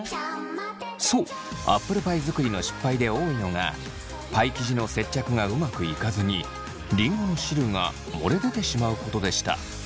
そうアップルパイ作りの失敗で多いのがパイ生地の接着がうまくいかずにりんごの汁が漏れ出てしまうことでした。